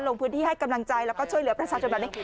ลงพื้นที่ให้กำลังใจแล้วก็ช่วยเหลือประชาชนแบบนี้